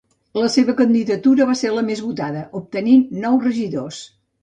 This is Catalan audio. La seva candidatura va ser la més votada, obtenint nou regidors.